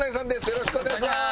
よろしくお願いします。